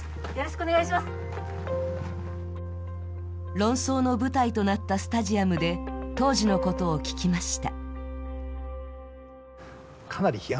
論争の舞台となったスタジアムで当時のことを聞きました。